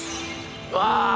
うわ